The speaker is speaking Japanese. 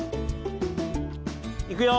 いくよ。